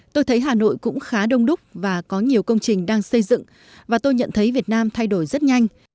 tôi thấy hà nội cũng khá đông đúc và có nhiều công trình đang xây dựng và tôi nhận thấy việt nam thay đổi rất nhanh